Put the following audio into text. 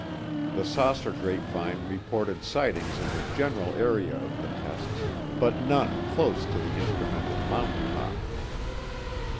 The saucer grapevine reported sightings in the general area of the tests, but none close to the instrumented mountaintop.